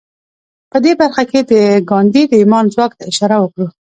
په دې برخه کې به د ګاندي د ايمان ځواک ته اشاره وکړو.